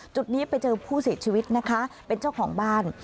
จุดนี้ไปเจอผู้เสียชีวิตนะคะเป็นเจ้าของบ้าน